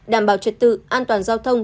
đảm bảo trật tự an toàn giao thông